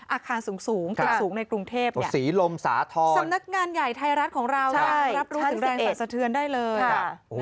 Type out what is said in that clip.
อาคารสูงติดสูงในกรุงเทพฯสำนักงานใหญ่ไทยรัฐของเรารับรู้แรงสรรสเทือนได้เลยสีลมสาทร